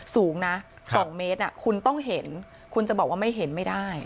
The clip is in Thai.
สูงนะ๒เมตรคุณต้องเห็นคุณจะบอกว่าไม่เห็นไม่ได้